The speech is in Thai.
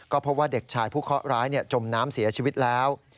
ก็พบว่าเด็กชายผู้เคาะร้ายจมน้ำเสียชีวิตแล้ว